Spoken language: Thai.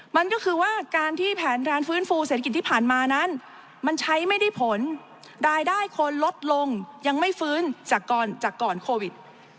มันก็คือว่าการที่แผนการฟื้นฟูเศรษฐกิจที่ผ่านมานั้นมันใช้ไม่ได้ผลรายได้คนลดลงยังไม่ฟื้นจากก่อนโควิด